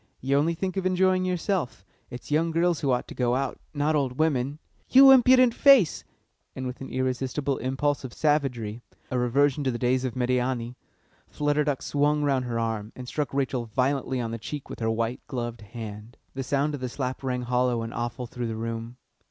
You only think of enjoying yourself. It's young girls who ought to go out, not old women." "You impudent face!" And with an irresistible impulse of savagery, a reversion to the days of Médiâni, Flutter Duck swung round her arm, and struck Rachel violently on the cheek with her white gloved hand. [Illustration: "'YOU IMPUDENT FACE!'"] The sound of the slap rang hollow and awful through the room.